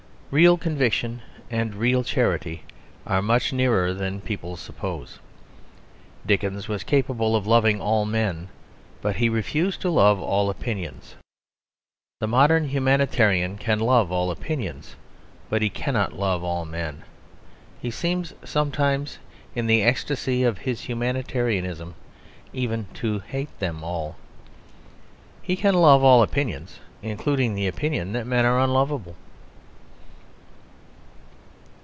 Real conviction and real charity are much nearer than people suppose. Dickens was capable of loving all men; but he refused to love all opinions. The modern humanitarian can love all opinions, but he cannot love all men; he seems, sometimes, in the ecstasy of his humanitarianism, even to hate them all. He can love all opinions, including the opinion that men are unlovable.